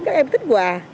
các em thích quà